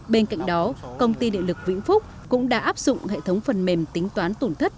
bên cạnh đó công ty địa lực vĩnh phúc cũng đã áp dụng hệ thống phần mềm tính toán tổn thất